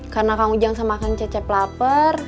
karena kang ujang sama kang cecep lapar